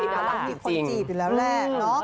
น่ารักจริง